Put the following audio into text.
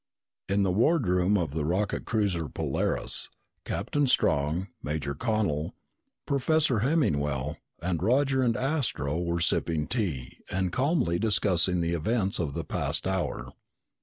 In the wardroom of the rocket cruiser Polaris, Captain Strong, Major Connel, Professor Hemmingwell, and Roger and Astro were sipping tea and calmly discussing the events of the past hour.